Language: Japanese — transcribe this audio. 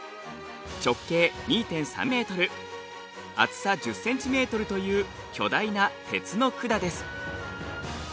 直径２．３ｍ厚さ１０ｃｍという巨大な鉄の管です。